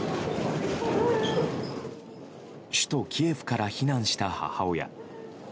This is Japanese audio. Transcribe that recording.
首都キエフから避難した母親。